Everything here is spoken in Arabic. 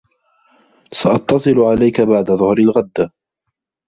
سأتصل عليك بعد ظهر الغد.